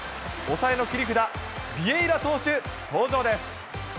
抑えの切り札、ビエイラ投手、登場です。